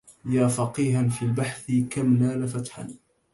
يا فقيها في البحث كم نال فتحا